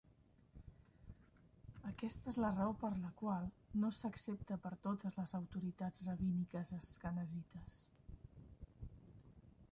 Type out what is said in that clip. Aquesta es la raó per la qual no s'accepta per totes les autoritats rabíniques asquenazites.